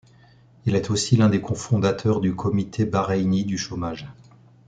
Il est aussi l'un des cofondateurs du Comité bahreïni du chômage.